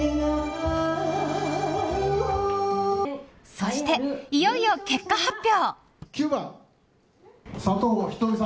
そして、いよいよ結果発表！